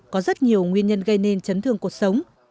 có rất nhiều nguyên nhân gây nên chấn thương cuộc sống